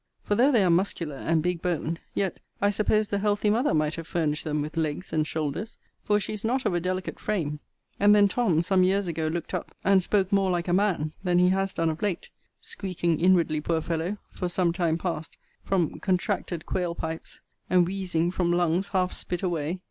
For though they are muscular, and big boned, yet I supposed the healthy mother might have furnished them with legs and shoulders: for she is not of a delicate frame; and then Tom., some years ago, looked up, and spoke more like a man, than he has done of late; squeaking inwardly, poor fellow! for some time past, from contracted quail pipes, and wheezing from lungs half spit away.